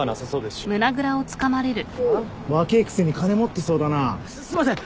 すすいません。